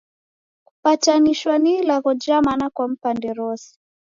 Kupatanishwa ni ilagho ja mana kwa mpande rose.